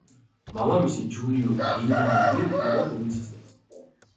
მამამისი ჯულიო ეინაუდი იყო პუბლიცისტი.